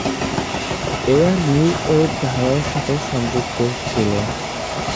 এরা new wave ধারার সঙ্গে যুক্ত ছিলেন।